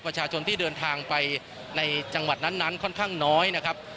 ประชาชนที่เดินทางไปในจังหวัดนั้นค่อนข้างน้อยนะครับ